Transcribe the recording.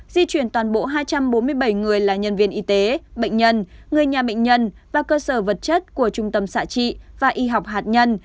di chuyển toàn bộ hai trăm bốn mươi bảy người là nhân viên y tế bệnh nhân người nhà bệnh nhân và cơ sở vật chất của trung tâm xã trị và y học hạt nhân